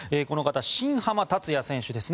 この方、新濱立也選手。